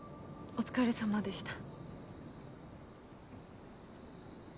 お疲れさまでした。